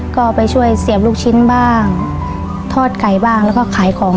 ก็ไปช่วยเสียบลูกชิ้นบ้างทอดไก่บ้างแล้วก็ขายของ